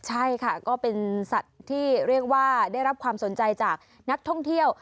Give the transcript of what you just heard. ใช่ค่ะก็เป็นสัตว์ที่เรียกว่าได้รับความสนใจจากนักท่องเที่ยว